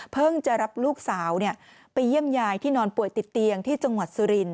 จะรับลูกสาวไปเยี่ยมยายที่นอนป่วยติดเตียงที่จังหวัดสุรินท